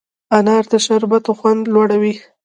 انار د شربتونو خوند لوړوي.